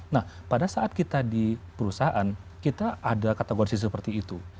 nah pada saat kita di perusahaan kita ada kategori seperti itu